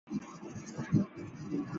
郑丁旺人。